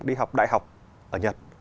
đi học đại học ở nhật